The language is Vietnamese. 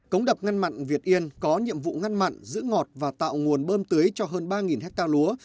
cống đập ngăn mặn việt yên có nhiệm vụ ngăn mặn giữ ngọt và tạo nguồn bơm tưới cho hơn ba hectare lúa